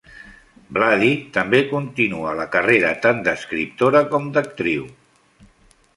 Vlady també continua la carrera tant d'escriptora com d'actriu.